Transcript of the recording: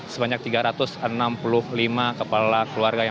sebanyak tiga ratus enam puluh lima kepala keluarga